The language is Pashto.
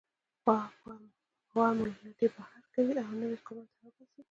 باور مو له لټۍ بهر کوي او نويو کړنو ته اړ باسي.